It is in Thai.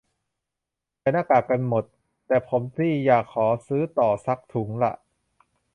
ใส่หน้ากากกันหมด แต่ผมนี่อยากขอซื้อต่อสักถุงละ